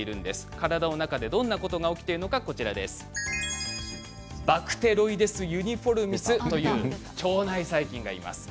体の中でどんなことが起きているのかバクテロイデス・ユニフォルミスという腸内細菌がいます。